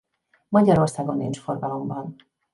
Magyarországon nincs forgalomban.